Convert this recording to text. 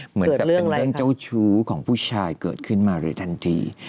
เหมือนกับเป็นเรื่องเจ้าชู้ของผู้ชายเกิดขึ้นมาโดยทันที